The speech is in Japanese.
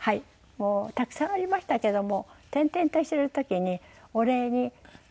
もうたくさんありましたけども転々としてる時にお礼に。